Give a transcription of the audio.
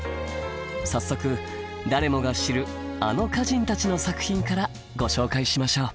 早速誰もが知るあの歌人たちの作品からご紹介しましょう。